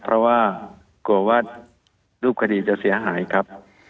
เพราะว่ากลัวว่ารูปคดีจะเสียหายครับ